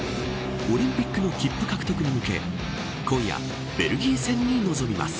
オリンピックの切符獲得に向け今夜、ベルギー戦に臨みます。